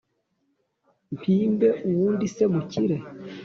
Mpimbe uwundi se mu kirere